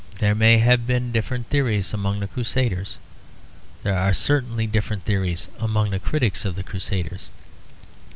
There may have been different theories among the Crusaders; there are certainly different theories among the critics of the Crusaders.